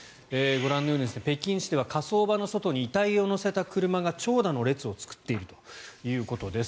ご覧のように北京市では火葬場の外に遺体を乗せた車が長蛇の列を作っているということです。